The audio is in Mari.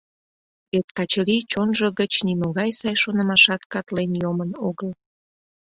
Вет Качырий чонжо гыч нимогай сай шонымашат катлен йомын огыл.